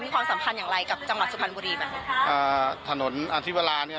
มีความสำคัญอย่างไรกับจังหวัดสุพรรณบุรีป่ะอ่าถนนอธิวราเนี้ย